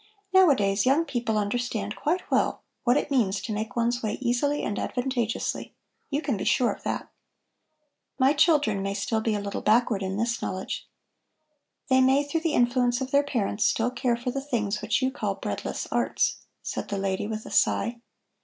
Nowadays young people understand quite well what it means to make one's way easily and advantageously. You can be sure of that." "My children may still be a little backward in this knowledge. They may, through the influence of their parents, still care for the things which you call the breadless arts," said the lady with a sigh.